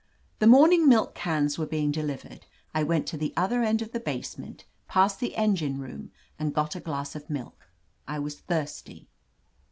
"The morning millc cans were being deliv ered. I went to the other end of the basement, past the engine room, and got a glass of milk. I was thirsty."